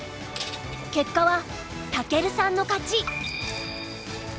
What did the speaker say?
結果は威さんの勝ち。